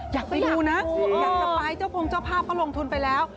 อยากไปดูนะอยากจะไปเจ้าพงเจ้าภาพเขาลงทุนไปแล้ว